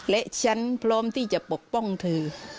และฉันพร้อมที่จะปกป้องเธอ